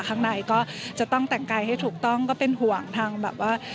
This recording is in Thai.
ข้างในก็จะต้องแต่งกายให้ถูกต้องก็เป็นห่วงทางแบบว่า